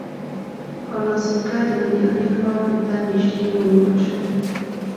کالاسینګهـ د لودیانې ښار ته نیژدې ونیول شو.